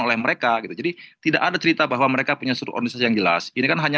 oleh mereka gitu jadi tidak ada cerita bahwa mereka punya sudut organisasi yang jelas ini kan hanya